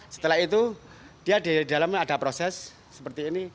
setelah itu dia di dalamnya ada proses seperti ini